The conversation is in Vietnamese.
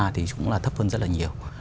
thì cũng là thấp hơn rất là nhiều